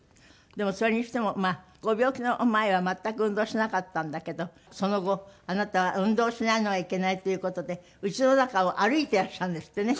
でもそれにしてもご病気の前は全く運動しなかったんだけどその後あなたは運動しないのはいけないという事でうちの中を歩いていらっしゃるんですってね。